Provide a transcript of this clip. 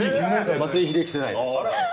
松井秀喜世代です。